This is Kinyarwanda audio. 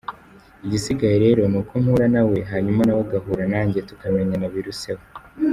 Igisigaye rero ni uko mpura na we, hanyuma na we agahura nanjye tukamenyana biruseho.